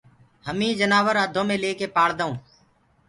همي جنآور اڌو مي ليڪي پآݪدآئونٚ